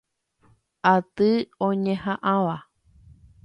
Aty oñeha'ãva.